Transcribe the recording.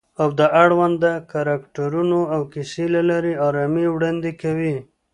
او د اړونده کرکټرونو او کیسو له لارې آرامي وړاندې کوي